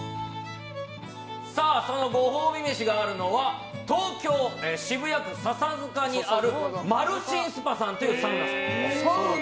そのご褒美飯があるのは東京・渋谷区笹塚にあるマルシンスパというサウナ屋さんです。